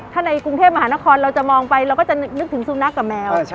ถ้าในกรุงเทพมหานครเราจะมองไปเราก็จะนึกถึงสุนัขกับแมว